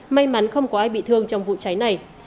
may mắn không có ai bị thương trong vụ cháy này